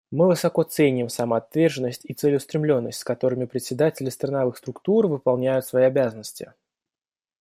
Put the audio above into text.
Мы высоко ценим самоотверженность и целеустремленность, с которыми председатели страновых структур выполняют свои обязанности.